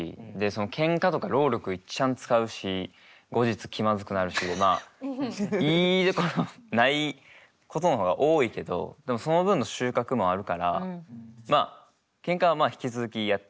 ケンカとか労力いっちゃん使うし後日気まずくなるしいいことないことの方が多いけどでもその分の収穫もあるからまあケンカは引き続きやってはいくんですけど。